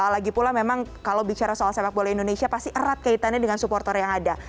lagi pula memang kalau bicara soal sepak bola indonesia pasti erat kaitannya dengan supporter yang ada